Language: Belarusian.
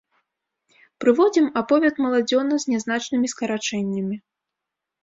Прыводзім аповед маладзёна з нязначнымі скарачэннямі.